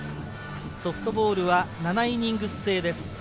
ソフトボールは７イニング制です。